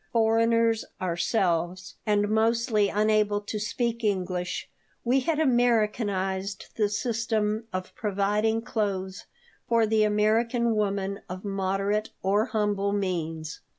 Foreigners ourselves, and mostly unable to speak English, we had Americanized the system of providing clothes for the American woman of moderate or humble means.